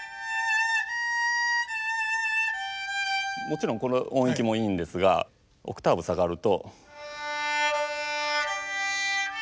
もちろんこの音域もいいんですがオクターブ下がると。